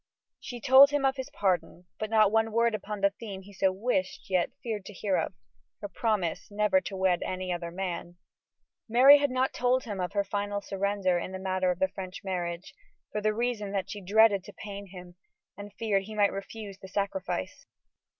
She told him of his pardon, but not one word upon the theme he so wished yet feared to hear of her promise never to wed any other man. Mary had not told him of her final surrender in the matter of the French marriage, for the reason that she dreaded to pain him, and feared he might refuse the sacrifice.